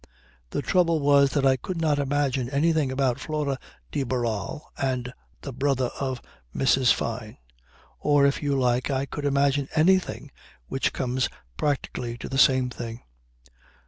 The trouble was that I could not imagine anything about Flora de Barral and the brother of Mrs. Fyne. Or, if you like, I could imagine anything which comes practically to the same thing.